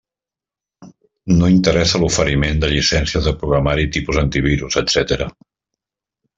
No interessa l'oferiment de llicències de programari tipus antivirus, etcètera.